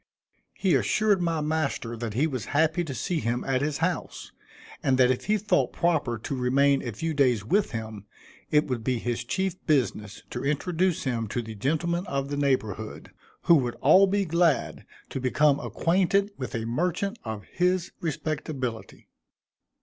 He assured my master that he was happy to see him at his house, and that if he thought proper to remain a few days with him, it would be his chief business to introduce him to the gentlemen of the neighborhood, who would all be glad to become acquainted with a merchant of his respectability.